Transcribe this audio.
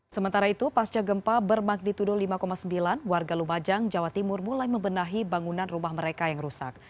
sementara itu pasca gempa bermagnitudo lima sembilan warga lumajang jawa timur mulai membenahi bangunan rumah mereka yang rusak